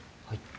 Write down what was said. はい。